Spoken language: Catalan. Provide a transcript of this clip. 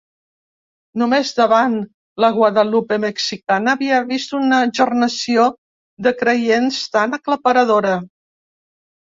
Només davant la Guadalupe mexicana havia vist una gernació de creients tan aclaparadora.